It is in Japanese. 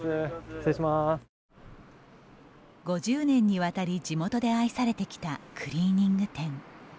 ５０年にわたり、地元で愛されてきたクリーニング店。